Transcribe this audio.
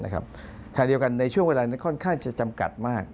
ทางเดียวกันในช่วงเวลานั้นค่อนข้างจะจำกัดมาก